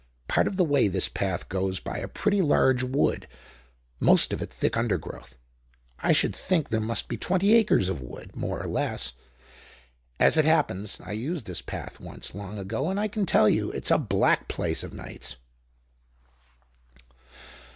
Part of the way this path goes by a pretty large wood, most of it thick undergrowth. I should think there must be twenty acres of wood, more or less. As it happens, I used this path once long ago; and I can tell you it's a black place of nights.